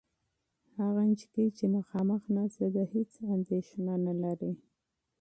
هغه نجلۍ چې مخامخ ناسته ده، هېڅ اندېښنه نهلري.